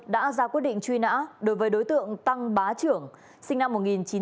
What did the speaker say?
đã ra quyết định truy nã đối với đối tượng tăng bá trưởng sinh năm một nghìn chín trăm tám mươi